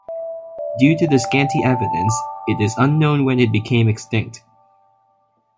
Due to the scanty evidence it is unknown when it became extinct.